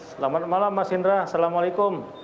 selamat malam mas indra assalamualaikum